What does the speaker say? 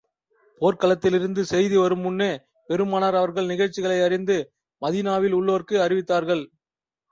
போர்க்களத்திலிருந்து செய்தி வருமுன்னே, பெருமானார் அவர்கள் நிகழ்ச்சிகளை அறிந்து, மதீனாவில் உள்ளோருக்கு அறிவித்தார்கள்.